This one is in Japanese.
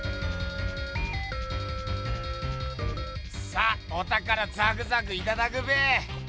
さあおたからザクザクいただくべ！